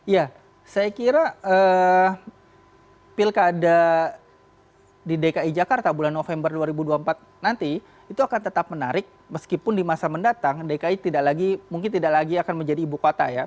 ya saya kira pilkada di dki jakarta bulan november dua ribu dua puluh empat nanti itu akan tetap menarik meskipun di masa mendatang dki tidak lagi mungkin tidak lagi akan menjadi ibu kota ya